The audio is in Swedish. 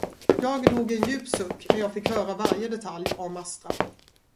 Jag drog en djup suck när jag fick höra varje detalj om Astra.